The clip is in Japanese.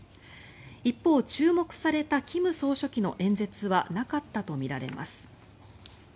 一方、注目された金総書記の演説はなかったとみられます。